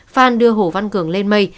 phan đưa hồ văn cường lên mây